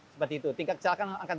seperti itu tingkat kecelakaan akan